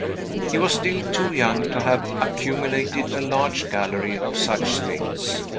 He was still too young to have accumulated a large gallery of such things.